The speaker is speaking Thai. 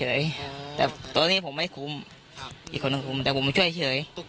รอนี้ผมไม่คุ้มอีกคนอื่นคุ้มแต่ผมช่วยเฉย